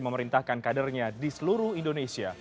memerintahkan kadernya di seluruh indonesia